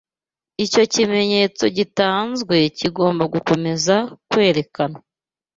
Icyo kimenyetso gitanzwe kigomba gukomeza kwerekanwa